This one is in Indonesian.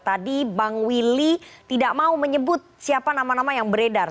tadi bang willy tidak mau menyebut siapa nama nama yang beredar